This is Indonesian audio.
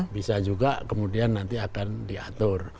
bisa juga kemudian nanti akan diatur